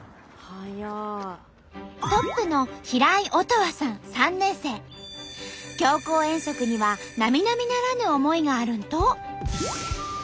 トップの強行遠足にはなみなみならぬ思いがあるんと。